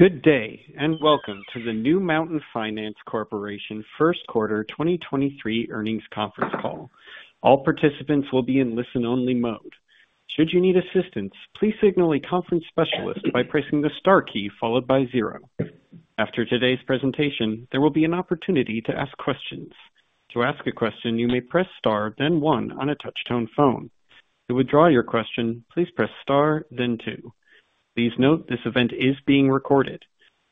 Good day, and welcome to the New Mountain Finance Corporation First Quarter 2023 Earnings Conference Call. All participants will be in listen-only mode. Should you need assistance, please signal a conference specialist by pressing the star key followed by zero. After today's presentation, there will be an opportunity to ask questions. To ask a question, you may press star, then one on a touch-tone phone. To withdraw your question, please press star, then two. Please note this event is being recorded.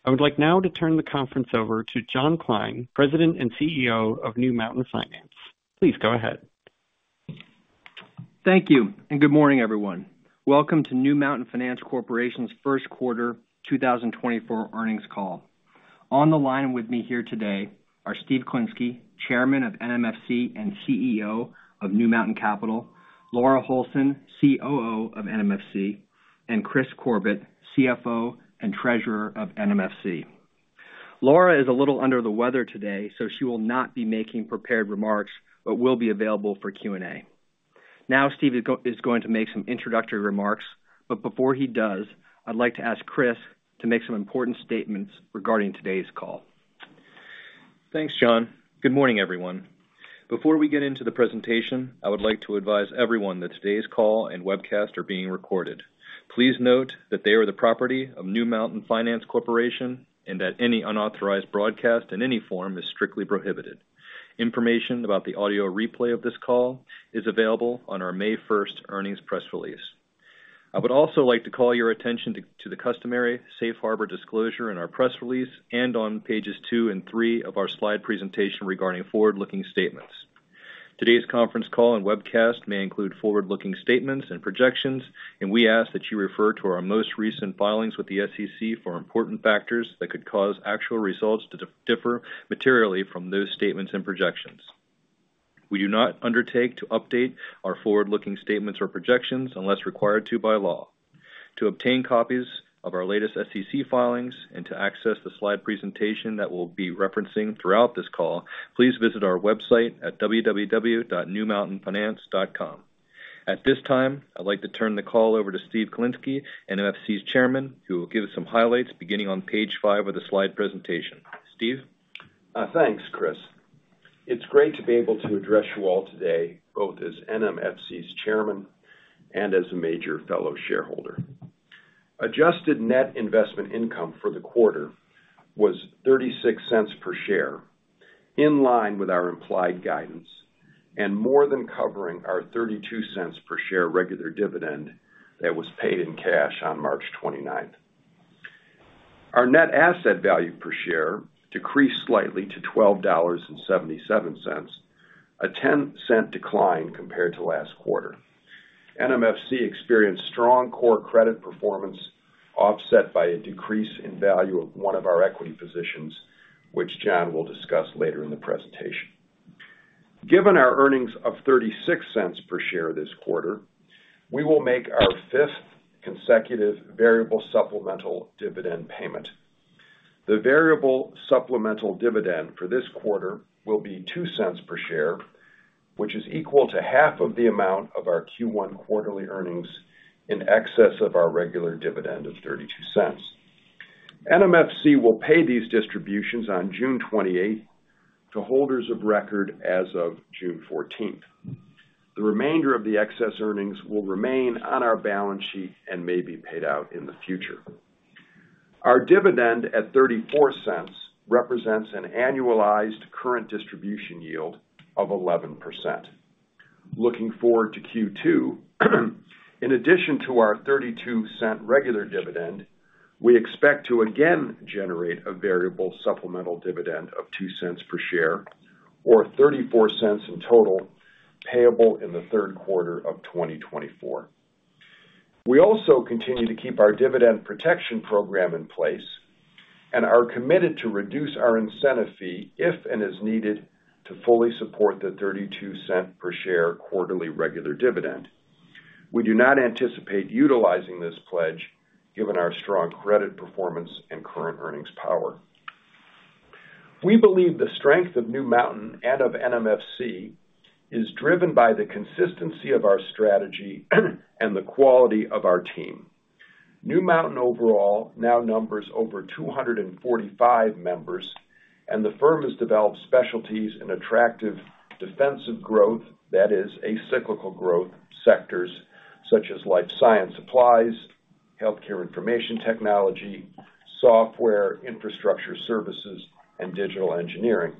I would like now to turn the conference over to John Kline, President and CEO of New Mountain Finance. Please go ahead. Thank you, and good morning, everyone. Welcome to New Mountain Finance Corporation's First Quarter 2024 Earnings Call. On the line with me here today are Steve Klinsky, Chairman of NMFC and CEO of New Mountain Capital, Laura Holson, COO of NMFC, and Kris Corbett, CFO and Treasurer of NMFC. Laura is a little under the weather today, so she will not be making prepared remarks, but will be available for Q&A. Now, Steve is going to make some introductory remarks, but before he does, I'd like to ask Kris to make some important statements regarding today's call. Thanks, John. Good morning, everyone. Before we get into the presentation, I would like to advise everyone that today's call and webcast are being recorded. Please note that they are the property of New Mountain Finance Corporation, and that any unauthorized broadcast in any form is strictly prohibited. Information about the audio replay of this call is available on our May first earnings press release. I would also like to call your attention to the customary safe harbor disclosure in our press release and on pages two and three of our slide presentation regarding forward-looking statements. Today's conference call and webcast may include forward-looking statements and projections, and we ask that you refer to our most recent filings with the SEC for important factors that could cause actual results to differ materially from those statements and projections. We do not undertake to update our forward-looking statements or projections unless required to by law. To obtain copies of our latest SEC filings and to access the slide presentation that we'll be referencing throughout this call, please visit our website at www.newmountainfinance.com. At this time, I'd like to turn the call over to Steven Klinsky, NMFC's chairman, who will give some highlights beginning on page five of the slide presentation. Steve? Thanks, Kris. It's great to be able to address you all today, both as NMFC's chairman and as a major fellow shareholder. Adjusted Net Investment Income for the quarter was $0.36 per share, in line with our implied guidance and more than covering our $0.32 per share regular dividend that was paid in cash on March 29. Our Net Asset Value per share decreased slightly to $12.77, a $0.10 decline compared to last quarter. NMFC experienced strong core credit performance, offset by a decrease in value of one of our equity positions, which John will discuss later in the presentation. Given our earnings of $0.36 per share this quarter, we will make our fifth consecutive Variable Supplemental Dividend payment. The variable supplemental dividend for this quarter will be $0.02 per share, which is equal to half of the amount of our Q1 quarterly earnings in excess of our regular dividend of $0.32. NMFC will pay these distributions on June 28th to holders of record as of June 14th. The remainder of the excess earnings will remain on our balance sheet and may be paid out in the future. Our dividend, at $0.34, represents an annualized current distribution yield of 11%. Looking forward to Q2, in addition to our $0.32 regular dividend, we expect to again generate a variable supplemental dividend of $0.02 per share or $0.34 in total, payable in the third quarter of 2024. We also continue to keep our dividend protection program in place and are committed to reduce our incentive fee if and as needed to fully support the $0.32 per share quarterly regular dividend. We do not anticipate utilizing this pledge given our strong credit performance and current earnings power. We believe the strength of New Mountain and of NMFC is driven by the consistency of our strategy and the quality of our team. New Mountain overall now numbers over 245 members, and the firm has developed specialties and attractive defensive growth, that is, a cyclical growth sectors such as life science supplies, healthcare information technology, software, infrastructure services, and digital engineering.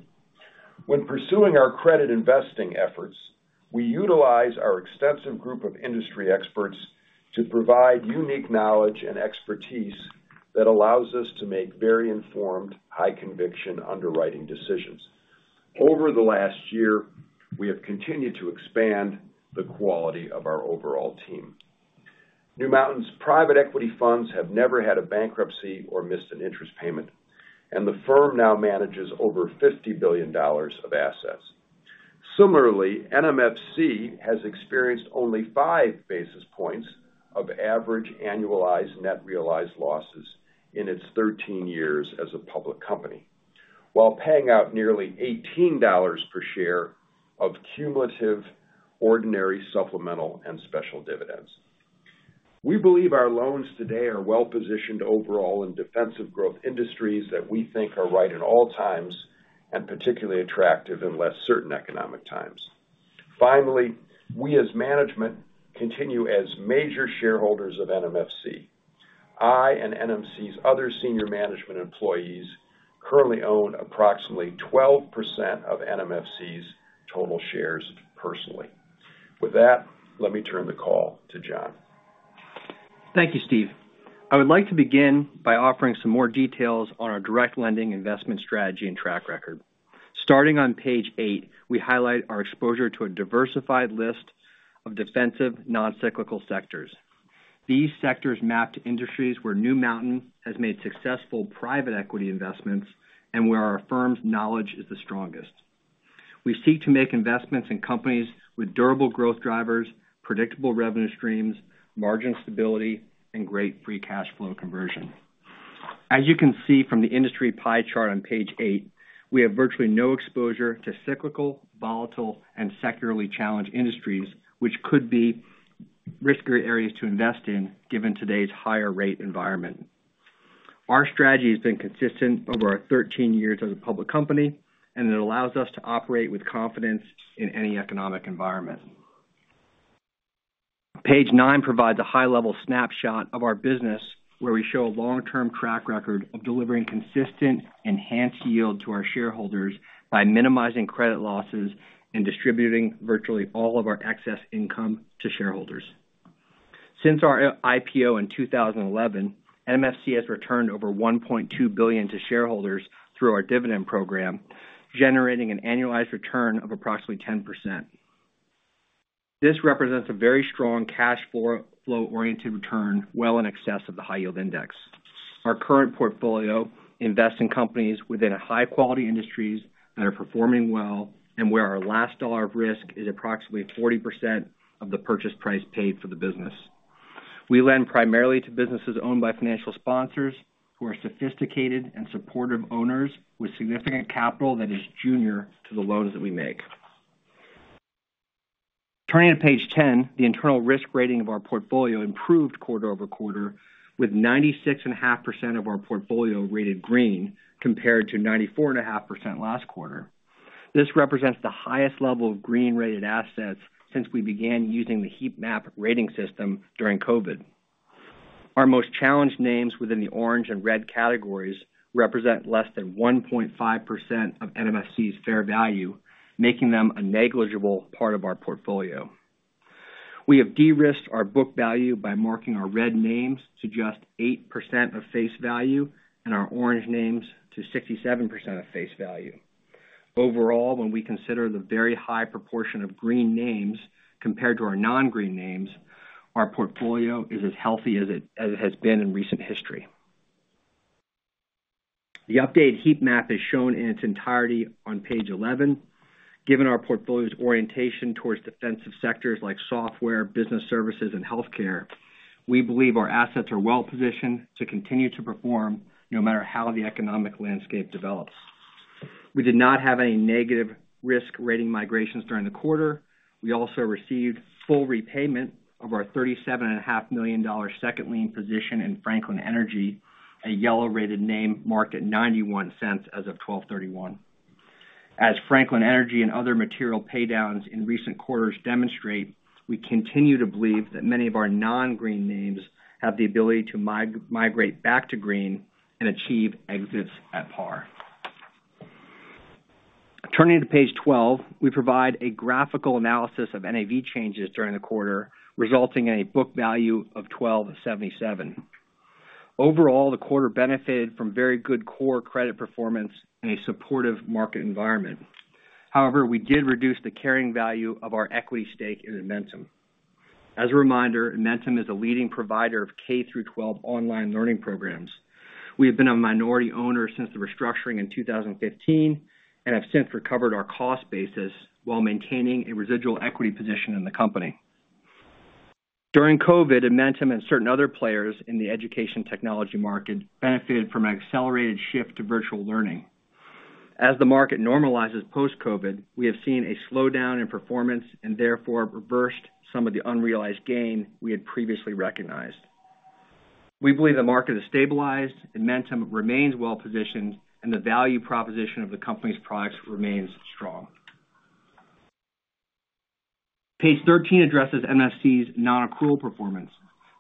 When pursuing our credit investing efforts, we utilize our extensive group of industry experts to provide unique knowledge and expertise that allows us to make very informed, high conviction underwriting decisions. Over the last year, we have continued to expand the quality of our overall team. New Mountain's private equity funds have never had a bankruptcy or missed an interest payment, and the firm now manages over $50 billion of assets. Similarly, NMFC has experienced only 5 basis points of average annualized net realized losses in its 13 years as a public company, while paying out nearly $18 per share of cumulative ordinary, supplemental, and special dividends. We believe our loans today are well-positioned overall in defensive growth industries that we think are right at all times and particularly attractive in less certain economic times. Finally, we, as management, continue as major shareholders of NMFC. I and NMFC's other senior management employees currently own approximately 12% of NMFC's total shares personally. With that, let me turn the call to John. Thank you, Steve. I would like to begin by offering some more details on our direct lending investment strategy and track record. Starting on page 8, we highlight our exposure to a diversified list of defensive, non-cyclical sectors. These sectors map to industries where New Mountain has made successful private equity investments and where our firm's knowledge is the strongest. We seek to make investments in companies with durable growth drivers, predictable revenue streams, margin stability, and great free cash flow conversion. As you can see from the industry pie chart on page 8, we have virtually no exposure to cyclical, volatile, and secularly challenged industries, which could be riskier areas to invest in given today's higher rate environment. Our strategy has been consistent over our 13 years as a public company, and it allows us to operate with confidence in any economic environment. Page nine provides a high-level snapshot of our business, where we show a long-term track record of delivering consistent, enhanced yield to our shareholders by minimizing credit losses and distributing virtually all of our excess income to shareholders. Since our IPO in 2011, NMFC has returned over $1.2 billion to shareholders through our dividend program, generating an annualized return of approximately 10%. This represents a very strong cash flow-oriented return, well in excess of the high yield index. Our current portfolio invests in companies within a high-quality industries that are performing well and where our last dollar of risk is approximately 40% of the purchase price paid for the business. We lend primarily to businesses owned by financial sponsors who are sophisticated and supportive owners with significant capital that is junior to the loans that we make. Turning to page 10, the internal risk rating of our portfolio improved quarter-over-quarter, with 96.5% of our portfolio rated green, compared to 94.5% last quarter. This represents the highest level of green-rated assets since we began using the heat map rating system during COVID. Our most challenged names within the orange and red categories represent less than 1.5% of NMFC's fair value, making them a negligible part of our portfolio. We have de-risked our book value by marking our red names to just 8% of face value and our orange names to 67% of face value. Overall, when we consider the very high proportion of green names compared to our non-green names, our portfolio is as healthy as it, as it has been in recent history. The updated heat map is shown in its entirety on page 11. Given our portfolio's orientation towards defensive sectors like software, business services, and healthcare, we believe our assets are well-positioned to continue to perform no matter how the economic landscape develops. We did not have any negative risk rating migrations during the quarter. We also received full repayment of our $37.5 million second lien position in Franklin Energy, a yellow-rated name marked at $0.91 as of 12/31. As Franklin Energy and other material paydowns in recent quarters demonstrate, we continue to believe that many of our non-green names have the ability to migrate back to green and achieve exits at par. Turning to page 12, we provide a graphical analysis of NAV changes during the quarter, resulting in a book value of $12.77. Overall, the quarter benefited from very good core credit performance in a supportive market environment. However, we did reduce the carrying value of our equity stake in Edmentum. As a reminder, Edmentum is a leading provider of K-12 online learning programs. We have been a minority owner since the restructuring in 2015, and have since recovered our cost basis while maintaining a residual equity position in the company. During COVID, Edmentum and certain other players in the education technology market benefited from an accelerated shift to virtual learning. As the market normalizes post-COVID, we have seen a slowdown in performance and therefore reversed some of the unrealized gain we had previously recognized. We believe the market has stabilized, Edmentum remains well-positioned, and the value proposition of the company's products remains strong. Page 13 addresses NMFC's non-accrual performance.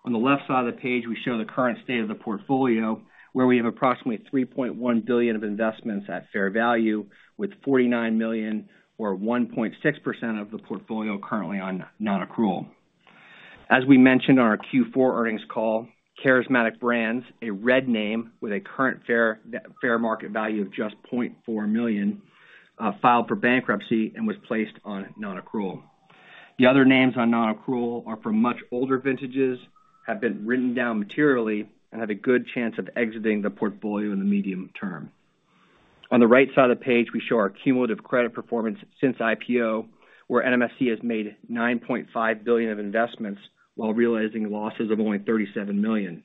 On the left side of the page, we show the current state of the portfolio, where we have approximately $3.1 billion of investments at fair value, with $49 million or 1.6% of the portfolio currently on non-accrual. As we mentioned on our Q4 earnings call, Charismatic Brands, a red name with a current fair market value of just $0.4 million, filed for bankruptcy and was placed on non-accrual. The other names on non-accrual are from much older vintages, have been written down materially, and have a good chance of exiting the portfolio in the medium term. On the right side of the page, we show our cumulative credit performance since IPO, where NMFC has made $9.5 billion of investments while realizing losses of only $37 million.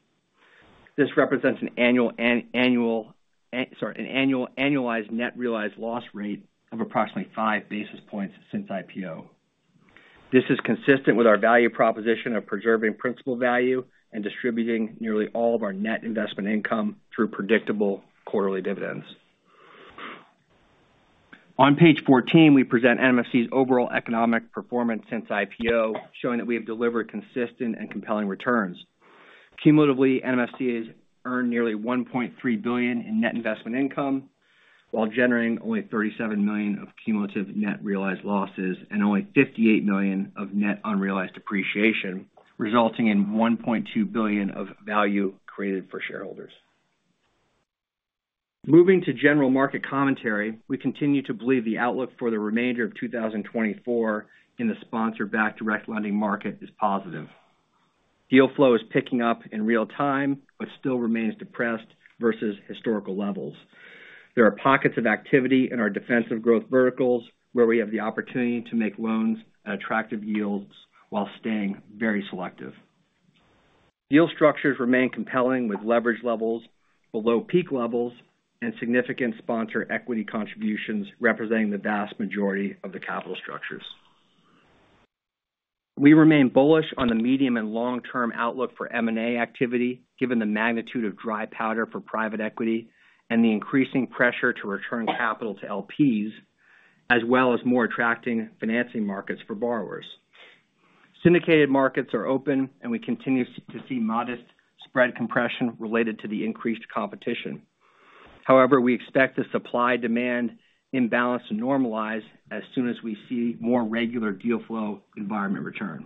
This represents an annualized net realized loss rate of approximately five basis points since IPO. This is consistent with our value proposition of preserving principal value and distributing nearly all of our net investment income through predictable quarterly dividends. On page 14, we present NMFC's overall economic performance since IPO, showing that we have delivered consistent and compelling returns. Cumulatively, NMFC has earned nearly $1.3 billion in net investment income, while generating only $37 million of cumulative net realized losses and only $58 million of net unrealized appreciation, resulting in $1.2 billion of value created for shareholders. Moving to general market commentary, we continue to believe the outlook for the remainder of 2024 in the sponsor-backed direct lending market is positive. Deal flow is picking up in real time, but still remains depressed versus historical levels. There are pockets of activity in our defensive growth verticals, where we have the opportunity to make loans at attractive yields while staying very selective. Deal structures remain compelling, with leverage levels below peak levels and significant sponsor equity contributions representing the vast majority of the capital structures. We remain bullish on the medium and long-term outlook for M&A activity, given the magnitude of dry powder for private equity and the increasing pressure to return capital to LPs, as well as more attractive financing markets for borrowers. Syndicated markets are open, and we continue to see modest spread compression related to the increased competition. However, we expect the supply-demand imbalance to normalize as soon as we see more regular deal flow environment return.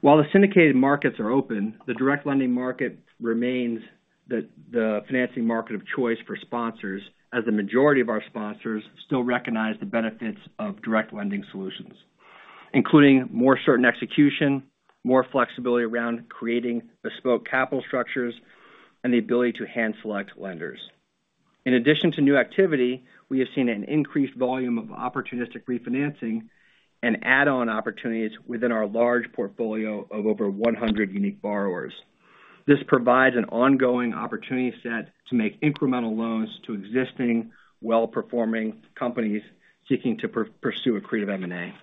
While the syndicated markets are open, the direct lending market remains the financing market of choice for sponsors, as the majority of our sponsors still recognize the benefits of direct lending solutions, including more certain execution, more flexibility around creating bespoke capital structures, and the ability to hand select lenders. In addition to new activity, we have seen an increased volume of opportunistic refinancing and add-on opportunities within our large portfolio of over 100 unique borrowers. This provides an ongoing opportunity set to make incremental loans to existing well-performing companies seeking to pursue accretive M&A.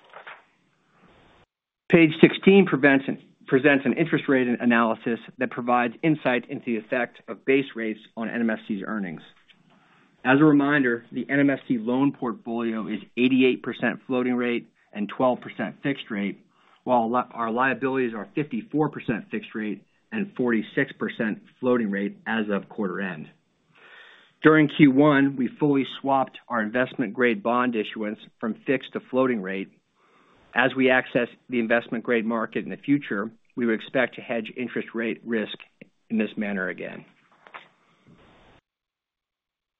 Page 16 presents an interest rate analysis that provides insight into the effect of base rates on NMFC's earnings. As a reminder, the NMFC loan portfolio is 88% floating rate and 12% fixed rate, while our liabilities are 54% fixed rate and 46% floating rate as of quarter end. During Q1, we fully swapped our investment-grade bond issuance from fixed to floating rate. As we access the investment-grade market in the future, we would expect to hedge interest rate risk in this manner again.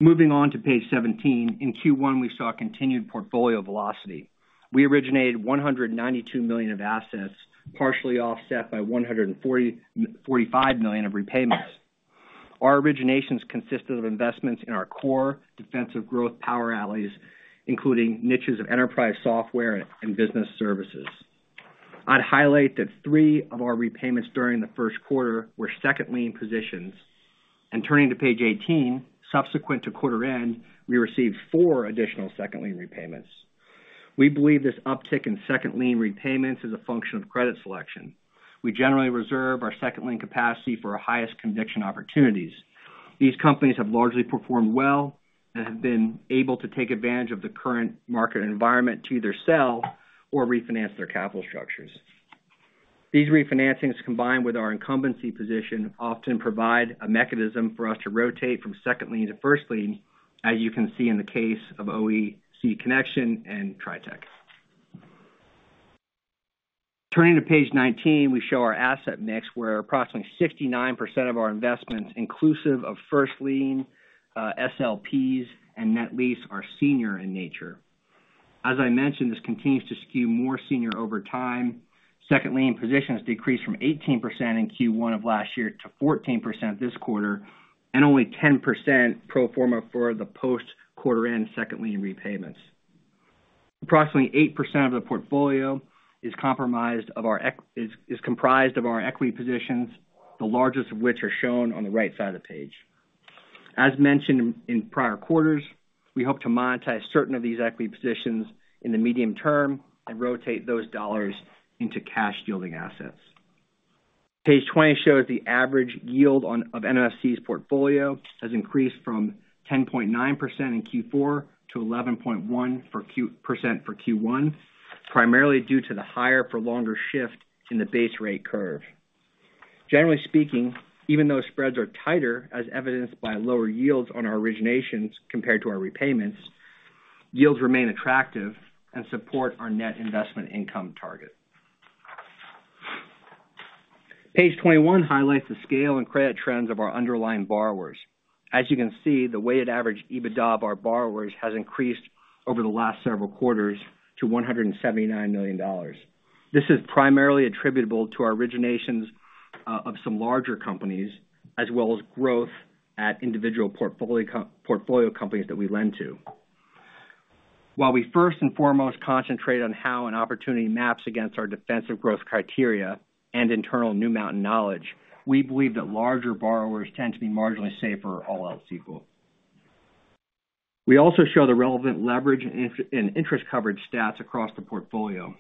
Moving on to page 17. In Q1, we saw continued portfolio velocity. We originated $192 million of assets, partially offset by $145 million of repayments. Our originations consisted of investments in our core defensive growth power alleys, including niches of enterprise, software, and business services. I'd highlight that three of our repayments during the first quarter were second lien positions. Turning to page 18, subsequent to quarter end, we received 4 additional second lien repayments. We believe this uptick in second lien repayments is a function of credit selection. We generally reserve our second lien capacity for our highest conviction opportunities. These companies have largely performed well and have been able to take advantage of the current market environment to either sell or refinance their capital structures. These refinancings, combined with our incumbency position, often provide a mechanism for us to rotate from second lien to first lien, as you can see in the case of OEConnection and TriTech. Turning to page 19, we show our asset mix, where approximately 69% of our investments, inclusive of first lien, SLPs, and net lease, are senior in nature. As I mentioned, this continues to skew more senior over time. Second lien positions decreased from 18% in Q1 of last year to 14% this quarter, and only 10% pro forma for the post-quarter end second lien repayments. Approximately 8% of the portfolio is comprised of our equity positions, the largest of which are shown on the right side of the page. As mentioned in prior quarters, we hope to monetize certain of these equity positions in the medium term and rotate those dollars into cash-yielding assets. Page 20 shows the average yield of NMFC's portfolio has increased from 10.9% in Q4 to 11.1% for Q1, primarily due to the higher-for-longer shift in the base rate curve. Generally speaking, even though spreads are tighter, as evidenced by lower yields on our originations compared to our repayments, yields remain attractive and support our net investment income target. Page 21 highlights the scale and credit trends of our underlying borrowers. As you can see, the weighted average EBITDA of our borrowers has increased over the last several quarters to $179 million. This is primarily attributable to our originations of some larger companies, as well as growth at individual portfolio companies that we lend to. While we first and foremost concentrate on how an opportunity maps against our defensive growth criteria and internal New Mountain knowledge, we believe that larger borrowers tend to be marginally safer, all else equal. We also show the relevant leverage and interest coverage stats across the portfolio.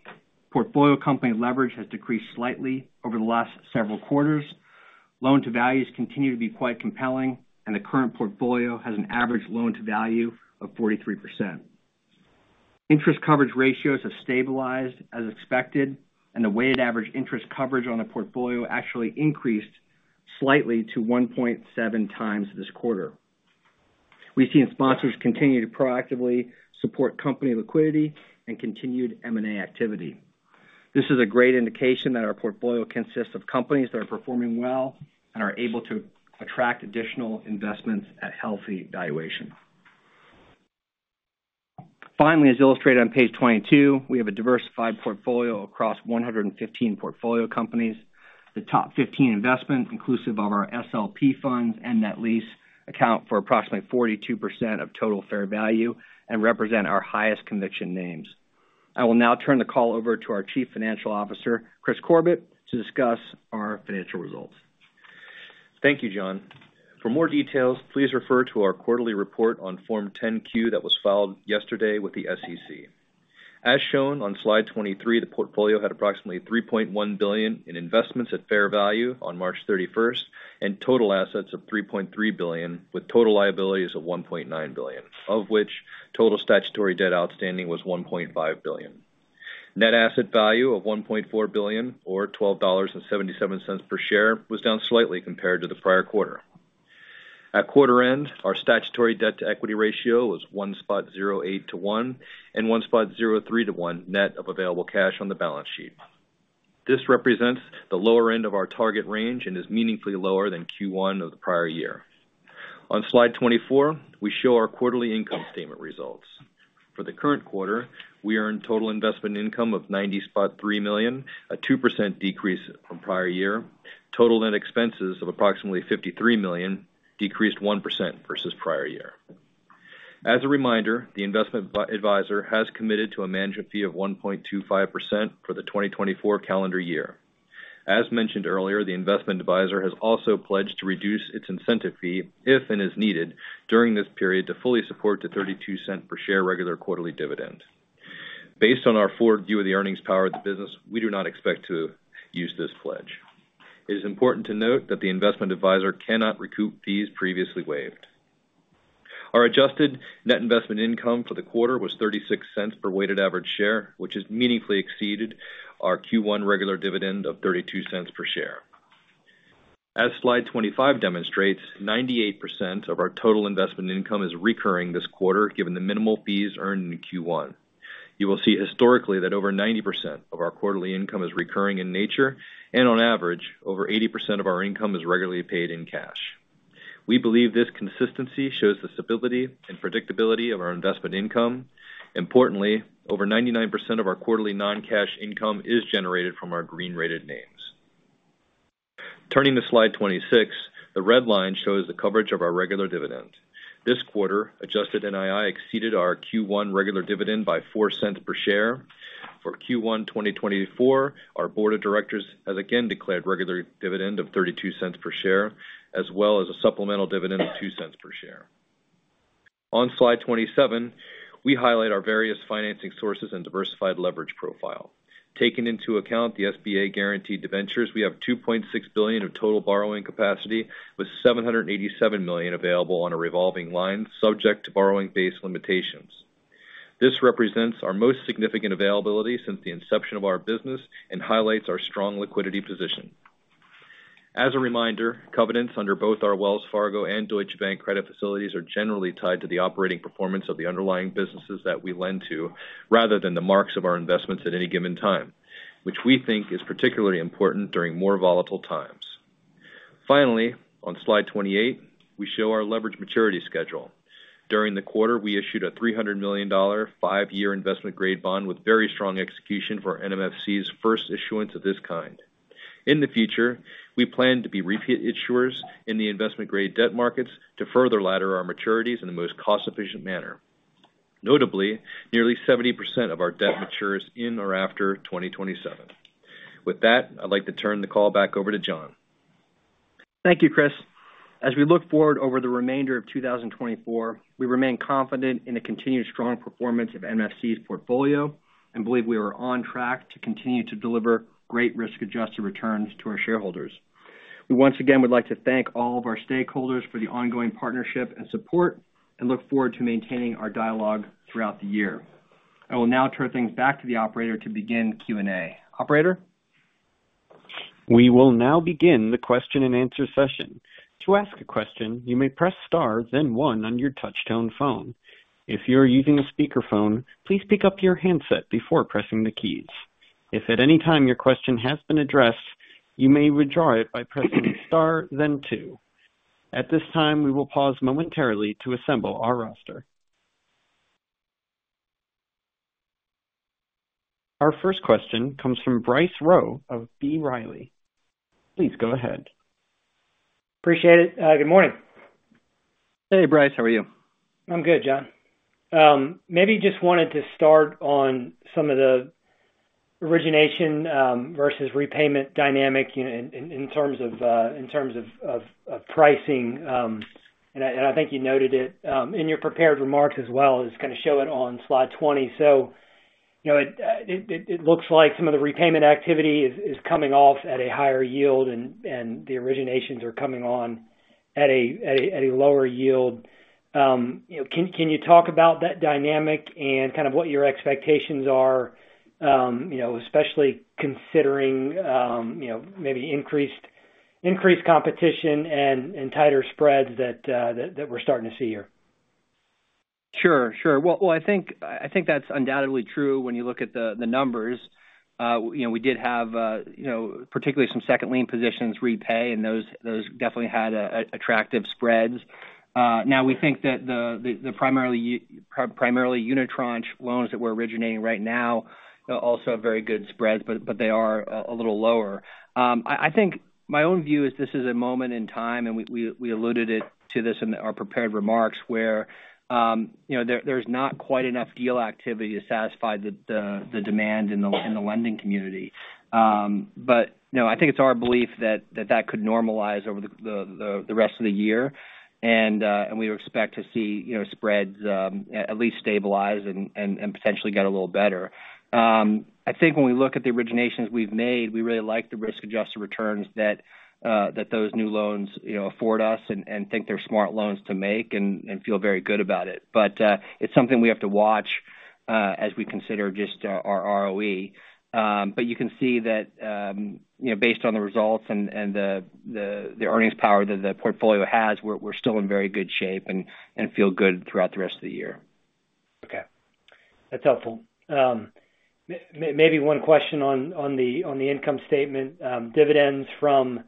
Portfolio company leverage has decreased slightly over the last several quarters. Loan to values continue to be quite compelling, and the current portfolio has an average loan to value of 43%. Interest coverage ratios have stabilized as expected, and the weighted average interest coverage on the portfolio actually increased slightly to 1.7 times this quarter. We've seen sponsors continue to proactively support company liquidity and continued M&A activity. This is a great indication that our portfolio consists of companies that are performing well and are able to attract additional investments at healthy valuation. Finally, as illustrated on page 22, we have a diversified portfolio across 115 portfolio companies. The top 15 investments, inclusive of our SLP funds and net lease, account for approximately 42% of total fair value and represent our highest conviction names. I will now turn the call over to our Chief Financial Officer, Kris Corbett, to discuss our financial results. Thank you, John. For more details, please refer to our quarterly report on Form 10-Q that was filed yesterday with the SEC. As shown on slide 23, the portfolio had approximately $3.1 billion in investments at fair value on March 31, and total assets of $3.3 billion, with total liabilities of $1.9 billion, of which total statutory debt outstanding was $1.5 billion. Net asset value of $1.4 billion, or $12.77 per share, was down slightly compared to the prior quarter. At quarter end, our statutory debt-to-equity ratio was 1.08 to 1, and 1.03 to 1 net of available cash on the balance sheet. This represents the lower end of our target range and is meaningfully lower than Q1 of the prior year. On slide 24, we show our quarterly income statement results. For the current quarter, we earned total investment income of $93 million, a 2% decrease from prior year. Total net expenses of approximately $53 million, decreased 1% versus prior year. As a reminder, the investment advisor has committed to a management fee of 1.25% for the 2024 calendar year. As mentioned earlier, the investment advisor has also pledged to reduce its incentive fee, if and as needed, during this period to fully support the $0.32 per share regular quarterly dividend. Based on our forward view of the earnings power of the business, we do not expect to use this pledge. It is important to note that the investment advisor cannot recoup fees previously waived. Our Adjusted Net Investment Income for the quarter was $0.36 per weighted average share, which has meaningfully exceeded our Q1 regular dividend of $0.32 per share. As slide 25 demonstrates, 98% of our total investment income is recurring this quarter, given the minimal fees earned in Q1. You will see historically that over 90% of our quarterly income is recurring in nature, and on average, over 80% of our income is regularly paid in cash. We believe this consistency shows the stability and predictability of our investment income. Importantly, over 99% of our quarterly non-cash income is generated from our green-rated names. Turning to slide 26, the red line shows the coverage of our regular dividend. This quarter, adjusted NII exceeded our Q1 regular dividend by $0.04 per share. For Q1 2024, our board of directors has again declared regular dividend of $0.32 per share, as well as a supplemental dividend of $0.02 per share. On slide 27, we highlight our various financing sources and diversified leverage profile. Taking into account the SBA guaranteed debentures, we have $2.6 billion of total borrowing capacity, with $787 million available on a revolving line, subject to borrowing-based limitations. This represents our most significant availability since the inception of our business and highlights our strong liquidity position. As a reminder, covenants under both our Wells Fargo and Deutsche Bank credit facilities are generally tied to the operating performance of the underlying businesses that we lend to, rather than the marks of our investments at any given time, which we think is particularly important during more volatile times. Finally, on slide 28, we show our leverage maturity schedule. During the quarter, we issued a $300 million 5-year investment grade bond with very strong execution for NMFC's first issuance of this kind. In the future, we plan to be repeat issuers in the investment grade debt markets to further ladder our maturities in the most cost-efficient manner. Notably, nearly 70% of our debt matures in or after 2027. With that, I'd like to turn the call back over to John. Thank you, Kris. As we look forward over the remainder of 2024, we remain confident in the continued strong performance of NMFC's portfolio and believe we are on track to continue to deliver great risk-adjusted returns to our shareholders. We once again would like to thank all of our stakeholders for the ongoing partnership and support, and look forward to maintaining our dialogue throughout the year. I will now turn things back to the operator to begin the Q&A. Operator? We will now begin the question-and-answer session. To ask a question, you may press star, then one on your touchtone phone. If you are using a speakerphone, please pick up your handset before pressing the keys. If at any time your question has been addressed, you may withdraw it by pressing star, then two. At this time, we will pause momentarily to assemble our roster. Our first question comes from Bryce Rowe of B. Riley. Please go ahead. Appreciate it. Good morning. Hey, Bryce. How are you? I'm good, John. Maybe just wanted to start on origination versus repayment dynamic, you know, in terms of pricing. And I think you noted it in your prepared remarks as well, and it's kind of showing on slide 20. So, you know, it looks like some of the repayment activity is coming off at a higher yield, and the originations are coming on at a lower yield. You know, can you talk about that dynamic and kind of what your expectations are, you know, especially considering maybe increased competition and tighter spreads that we're starting to see here? Sure. Well, I think that's undoubtedly true when you look at the numbers. You know, we did have, you know, particularly some second lien positions repay, and those definitely had attractive spreads. Now, we think that the primarily unitranche loans that we're originating right now also have very good spreads, but they are a little lower. I think my own view is this is a moment in time, and we alluded it to this in our prepared remarks, where, you know, there's not quite enough deal activity to satisfy the demand in the lending community. But, you know, I think it's our belief that that could normalize over the rest of the year. And we expect to see, you know, spreads at least stabilize and potentially get a little better. I think when we look at the originations we've made, we really like the risk-adjusted returns that those new loans, you know, afford us, and think they're smart loans to make and feel very good about it. But it's something we have to watch as we consider just our ROE. But you can see that, you know, based on the results and the earnings power that the portfolio has, we're still in very good shape and feel good throughout the rest of the year. Okay. That's helpful. Maybe one question on the income statement. Dividends from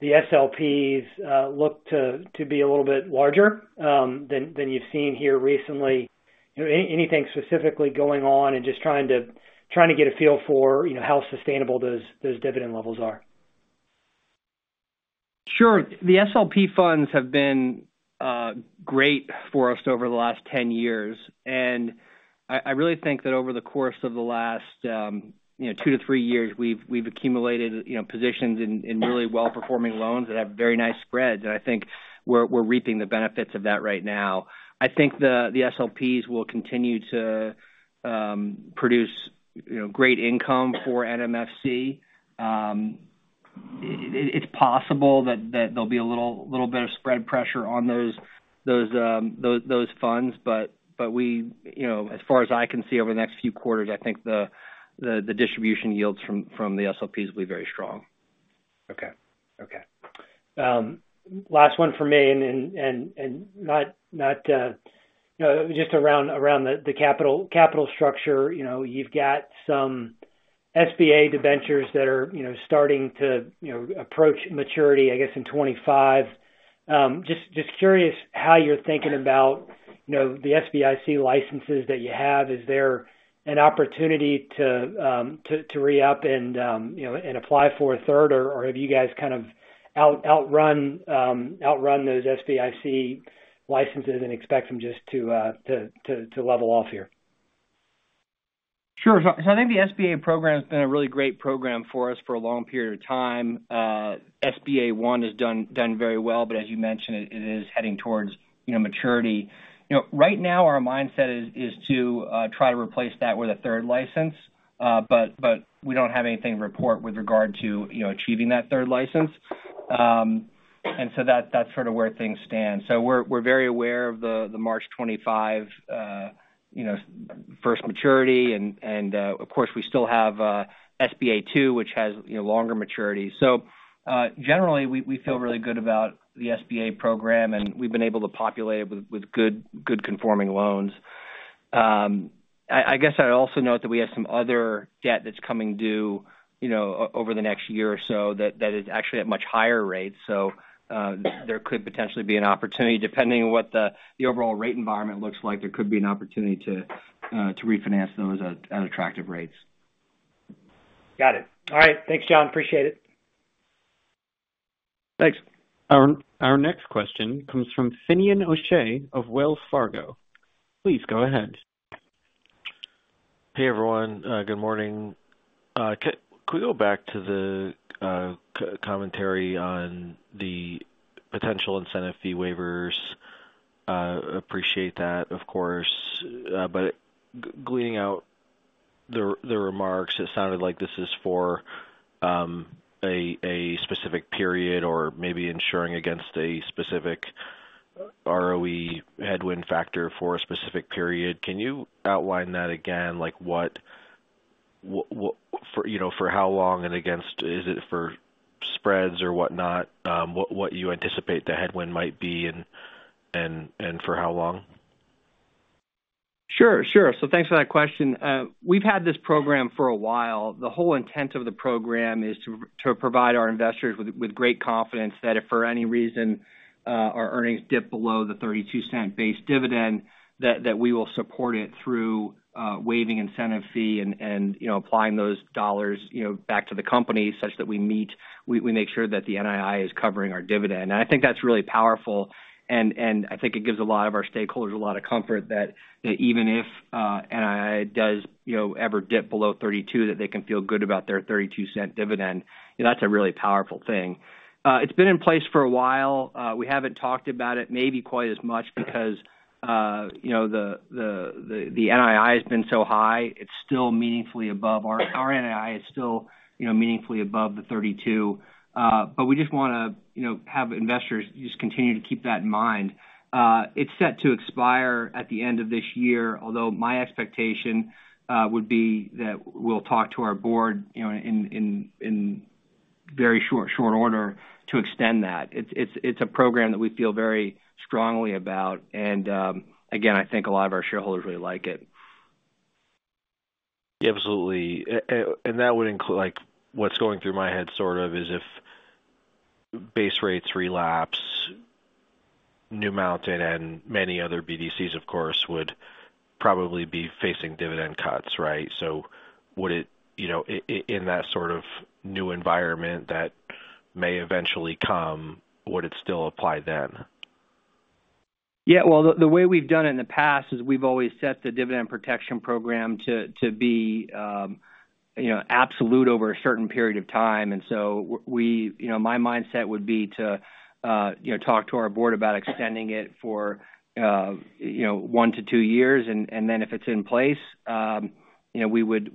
the SLPs look to be a little bit larger than you've seen here recently. You know, anything specifically going on? And just trying to get a feel for, you know, how sustainable those dividend levels are. Sure. The SLP funds have been great for us over the last 10 years. And I really think that over the course of the last, you know, 2-3 years, we've accumulated, you know, positions in really well-performing loans that have very nice spreads. And I think we're reaping the benefits of that right now. I think the SLPs will continue to produce, you know, great income for NMFC. It's possible that there'll be a little bit of spread pressure on those funds. But we... You know, as far as I can see over the next few quarters, I think the distribution yields from the SLPs will be very strong. Okay. Last one from me, and not, you know, just around the capital structure. You know, you've got some SBA debentures that are, you know, starting to approach maturity, I guess, in 2025. Just curious how you're thinking about, you know, the SBIC licenses that you have. Is there an opportunity to re-up and apply for a third, or have you guys kind of outrun those SBIC licenses and expect them just to level off here? Sure. So I think the SBA program has been a really great program for us for a long period of time. SBA One has done very well, but as you mentioned, it is heading towards, you know, maturity. You know, right now, our mindset is to try to replace that with a third license. But we don't have anything to report with regard to, you know, achieving that third license. And so that's sort of where things stand. So we're very aware of the March 2025, you know, first maturity, and of course, we still have SBA Two, which has, you know, longer maturity. So generally, we feel really good about the SBA program, and we've been able to populate it with good conforming loans. I guess I'd also note that we have some other debt that's coming due, you know, over the next year or so, that is actually at much higher rates. So, there could potentially be an opportunity. Depending on what the overall rate environment looks like, there could be an opportunity to refinance those at attractive rates. Got it. All right. Thanks, John. Appreciate it. Thanks. Our next question comes from Finian O'Shea of Wells Fargo. Please go ahead. Hey, everyone, good morning. Could we go back to the commentary on the potential incentive fee waivers? Appreciate that, of course, but gleaning out the remarks, it sounded like this is for a specific period or maybe insuring against a specific ROE headwind factor for a specific period. Can you outline that again? Like, what for, you know, for how long and against, is it for spreads or whatnot? What you anticipate the headwind might be and for how long? Sure, sure. So thanks for that question. We've had this program for a while. The whole intent of the program is to provide our investors with great confidence that if for any reason our earnings dip below the $0.32 base dividend, that we will support it through waiving incentive fee and, you know, applying those dollars, you know, back to the company such that we meet, we make sure that the NII is covering our dividend. And I think that's really powerful, and I think it gives a lot of our stakeholders a lot of comfort that even if NII does, you know, ever dip below 32, that they can feel good about their $0.32 dividend. That's a really powerful thing. It's been in place for a while. We haven't talked about it maybe quite as much because, you know, the NII has been so high. It's still meaningfully above. Our NII is still, you know, meaningfully above the 32. But we just wanna, you know, have investors just continue to keep that in mind. It's set to expire at the end of this year, although my expectation would be that we'll talk to our board, you know, in very short order to extend that. It's a program that we feel very strongly about, and, again, I think a lot of our shareholders really like it. Absolutely. And that would include—like, what's going through my head, sort of, is if base rates relapse, New Mountain and many other BDCs, of course, would probably be facing dividend cuts, right? So would it, you know, in that sort of new environment that may eventually come, would it still apply then? Yeah, well, the way we've done it in the past is we've always set the Dividend Protection Program to be, you know, absolute over a certain period of time. And so you know, my mindset would be to, you know, talk to our board about extending it for, you know, 1-2 years. And then if it's in place, you know, we would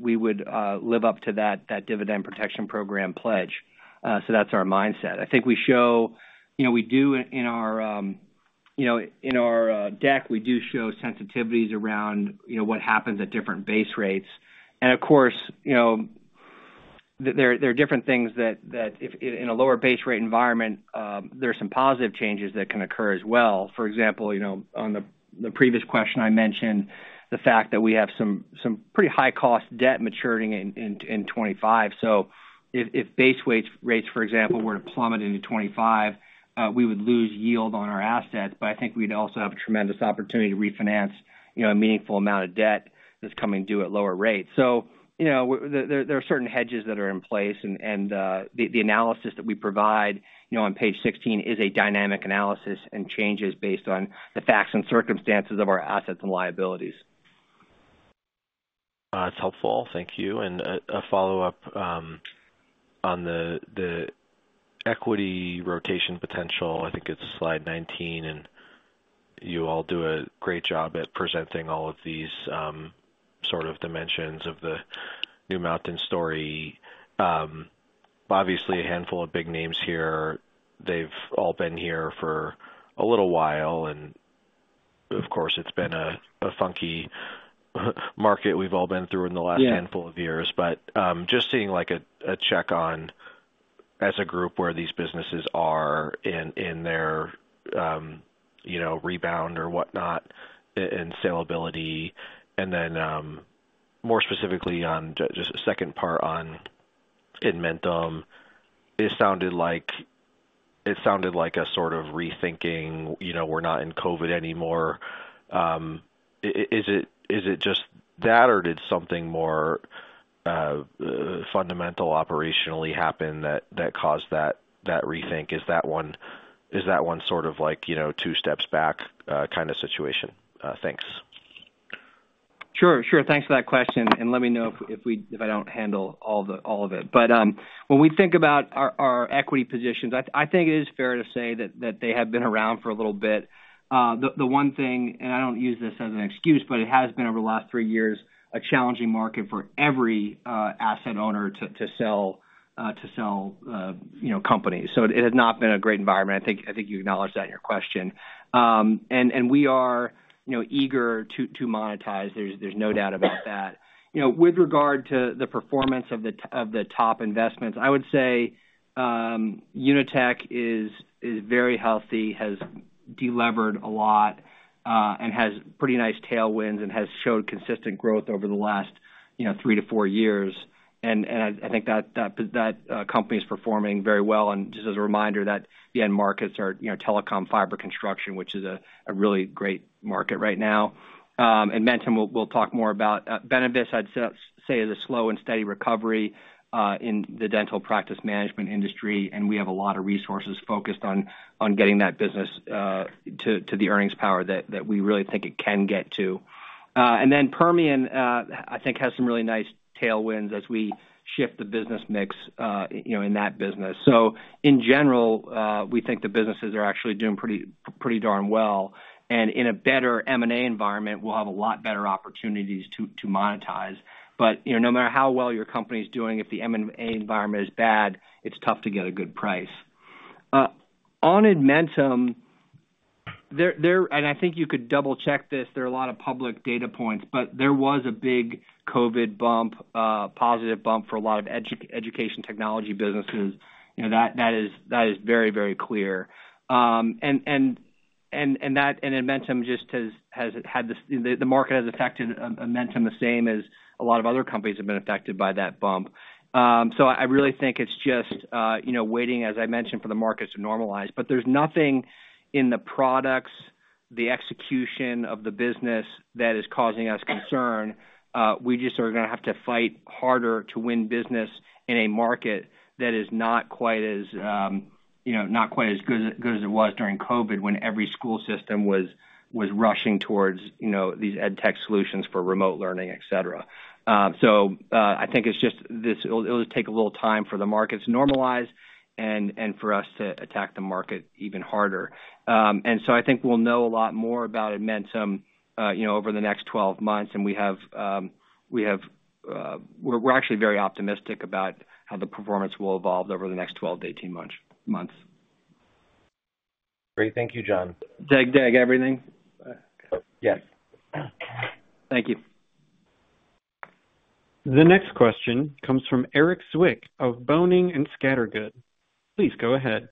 live up to that Dividend Protection Program pledge. So that's our mindset. I think we show... You know, we do in our, you know, in our deck, we do show sensitivities around, you know, what happens at different base rates. And of course, you know, there are different things that if in a lower base rate environment, there are some positive changes that can occur as well. For example, you know, on the previous question, I mentioned the fact that we have some pretty high-cost debt maturing in 2025. So if base rates, for example, were to plummet into 2025, we would lose yield on our assets, but I think we'd also have a tremendous opportunity to refinance, you know, a meaningful amount of debt that's coming due at lower rates. So, you know, there are certain hedges that are in place, and the analysis that we provide, you know, on page 16 is a dynamic analysis and changes based on the facts and circumstances of our assets and liabilities. That's helpful. Thank you. A follow-up on the equity rotation potential. I think it's slide 19, and you all do a great job at presenting all of these sort of dimensions of the New Mountain story. Obviously, a handful of big names here. They've all been here for a little while, and of course, it's been a funky market we've all been through in the last- Yeah... handful of years. But, just seeing, like, a check on, as a group, where these businesses are in, in their, you know, rebound or whatnot, in salability. And then, more specifically, on just the second part on Edmentum, it sounded like, It sounded like a sort of rethinking, you know, we're not in COVID anymore. Is it, is it just that, or did something more, fundamental operationally happen that, that caused that, that rethink? Is that one, is that one sort of like, you know, two steps back, kind of situation? Thanks. Sure, sure. Thanks for that question, and let me know if we—if I don't handle all of it. But when we think about our equity positions, I think it is fair to say that they have been around for a little bit. The one thing, and I don't use this as an excuse, but it has been over the last three years a challenging market for every asset owner to sell you know companies. So it has not been a great environment. I think you acknowledged that in your question. And we are you know eager to monetize. There's no doubt about that. You know, with regard to the performance of the top investments, I would say, UniTek is very healthy, has delevered a lot, and has pretty nice tailwinds and has showed consistent growth over the last, you know, three to four years. And I think that company is performing very well. And just as a reminder, that the end markets are, you know, telecom fiber construction, which is a really great market right now. Edmentum, we'll talk more about. Benevis, I'd say, is a slow and steady recovery in the dental practice management industry, and we have a lot of resources focused on getting that business to the earnings power that we really think it can get to. And then Permian, I think, has some really nice tailwinds as we shift the business mix, you know, in that business. So in general, we think the businesses are actually doing pretty, pretty darn well. And in a better M&A environment, we'll have a lot better opportunities to, to monetize. But, you know, no matter how well your company's doing, if the M&A environment is bad, it's tough to get a good price. On Edmentum, and I think you could double-check this, there are a lot of public data points, but there was a big COVID bump, positive bump for a lot of education technology businesses. You know, that, that is, that is very, very clear. And, and-... And Edmentum just has had this—the market has affected Edmentum the same as a lot of other companies have been affected by that bump. So I really think it's just, you know, waiting, as I mentioned, for the market to normalize. But there's nothing in the products, the execution of the business that is causing us concern. We just are gonna have to fight harder to win business in a market that is not quite as, you know, not quite as good as it was during COVID, when every school system was rushing towards, you know, these edtech solutions for remote learning, et cetera. So I think it's just this—it'll take a little time for the market to normalize and for us to attack the market even harder. and so I think we'll know a lot more about Edmentum, you know, over the next 12 months, and we have... We're actually very optimistic about how the performance will evolve over the next 12-18 months. Great. Thank you, John. Did that get everything? Yes. Thank you. The next question comes from Erik Zwick of Boenning & Scattergood. Please go ahead.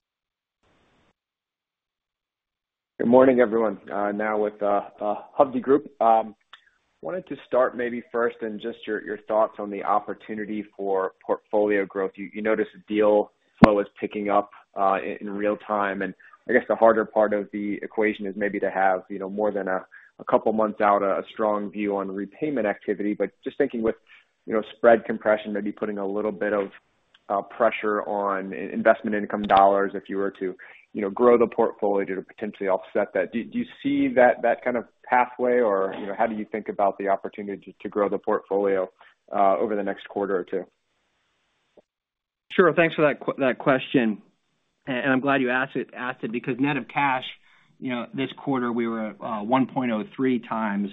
Good morning, everyone. Now with Hovde Group. Wanted to start maybe first and just your, your thoughts on the opportunity for portfolio growth. You, you noticed deal flow is picking up, in real time, and I guess the harder part of the equation is maybe to have, you know, more than a couple months out, a strong view on repayment activity. But just thinking with, you know, spread compression, maybe putting a little bit of pressure on investment income dollars if you were to, you know, grow the portfolio to potentially offset that. Do, do you see that, that kind of pathway or, you know, how do you think about the opportunity to, to grow the portfolio, over the next quarter or two? Sure. Thanks for that question. And I'm glad you asked it, because net of cash, you know, this quarter, we were at 1.03 times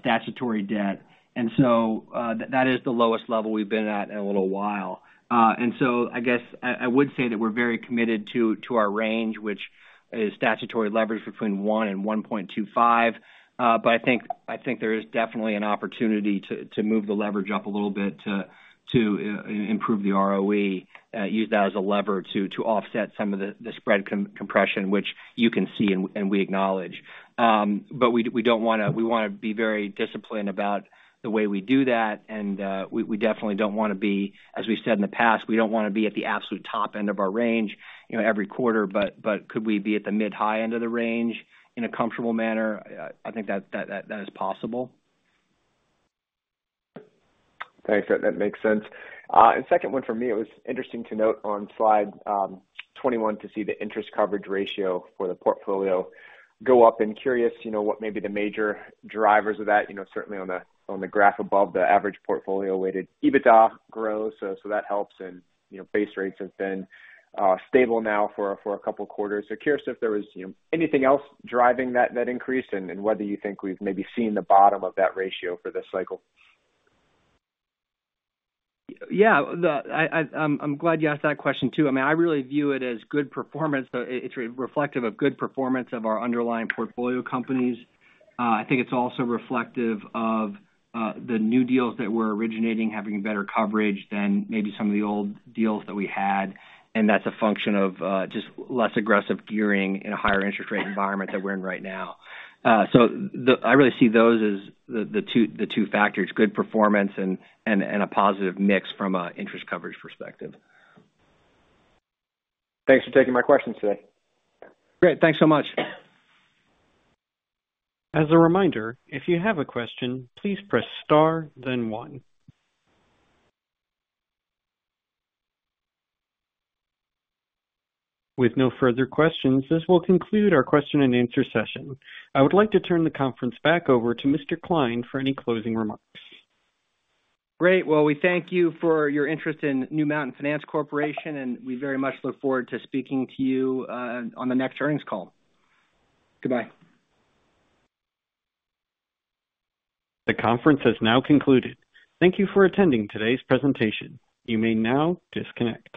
statutory debt. And so that is the lowest level we've been at in a little while. And so I guess I would say that we're very committed to our range, which is statutory leverage between 1 and 1.25. But I think there is definitely an opportunity to move the leverage up a little bit to improve the ROE, use that as a lever to offset some of the spread compression, which you can see and we acknowledge. But we don't wanna... We wanna be very disciplined about the way we do that, and we definitely don't wanna be, as we've said in the past, we don't wanna be at the absolute top end of our range, you know, every quarter. But could we be at the mid-high end of the range in a comfortable manner? I think that is possible. Thanks. That, that makes sense. And second one for me, it was interesting to note on slide 21, to see the interest coverage ratio for the portfolio go up. I'm curious, you know, what may be the major drivers of that? You know, certainly on the, on the graph above, the average portfolio weighted EBITDA grow, so, so that helps. And, you know, base rates have been stable now for a couple quarters. So curious if there was, you know, anything else driving that, that increase, and, and whether you think we've maybe seen the bottom of that ratio for this cycle. Yeah, I'm glad you asked that question, too. I mean, I really view it as good performance. So it's reflective of good performance of our underlying portfolio companies. I think it's also reflective of the new deals that we're originating, having better coverage than maybe some of the old deals that we had, and that's a function of just less aggressive gearing in a higher interest rate environment that we're in right now. So I really see those as the two factors, good performance and a positive mix from an interest coverage perspective. Thanks for taking my questions today. Great. Thanks so much. As a reminder, if you have a question, please press star, then one. With no further questions, this will conclude our question and answer session. I would like to turn the conference back over to Mr. Kline for any closing remarks. Great. Well, we thank you for your interest in New Mountain Finance Corporation, and we very much look forward to speaking to you on the next earnings call. Goodbye. The conference has now concluded. Thank you for attending today's presentation. You may now disconnect.